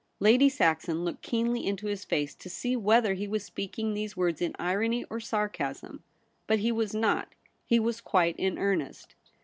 Lady Saxon looked keenly Into his face to see whether he was speaking these words In irony or sarcasm. But he was not ; he was quite in earnest.